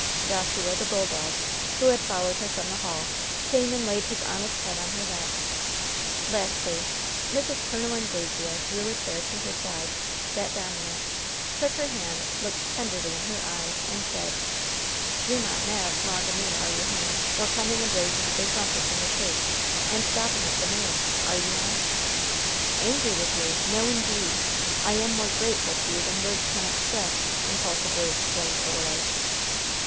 Joshua, the bulldog, who had followed her from the hall, came and laid his honest head on her lap. Lastly, Mrs. Col. Anglesea drew a chair to her side, sat down in it, took her hand, looked tenderly in her eyes, and said: "You're not mad 'long o' me, are you, honey, for coming and raising a big rumpus in the church and stopping of the marriage, are you, now?" "Angry with you? No, indeed! I am more grateful to you than words can express!" impulsively exclaimed Odalite.